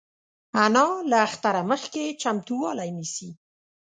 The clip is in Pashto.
انا له اختره مخکې چمتووالی نیسي